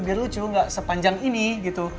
biar lucu gak sepanjang ini gitu